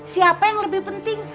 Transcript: siapa yang lebih penting